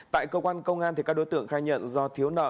tại công an công an các đối tượng khai nhận do thiếu nợ